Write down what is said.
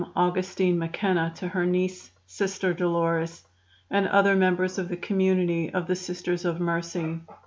Augustine MacKenna to her niece, Sister Dolores, and other members of the community of the Sisters of Mercy.